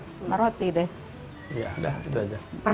sama roti deh